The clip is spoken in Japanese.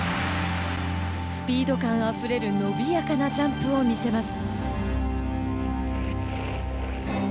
スピード感あふれる伸びやかなジャンプを見せます。